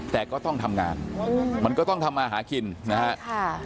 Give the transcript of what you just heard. แต่ก็ต้องทำงานมันก็ต้องทำมาหากินนะฮะ